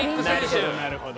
なるほど。